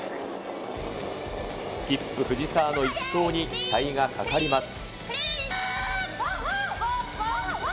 スキップ、藤澤の一投に期待がかかります。